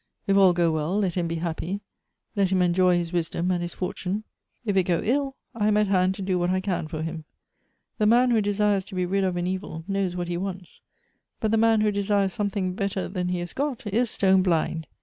If all go well, let him be happy, let him enjoy his wisdom and his fortune ; if it go ill, I am at hand to do what I can for him. The man who desires to be rid of an evil knows what he wants ; but the man who desires something better than he has got is stone blind.